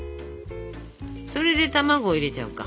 それで卵入れちゃおうか。